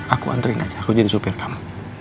aku antren aja aku jadi supir kamu